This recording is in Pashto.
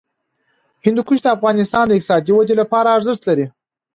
هندوکش د افغانستان د اقتصادي ودې لپاره ارزښت لري.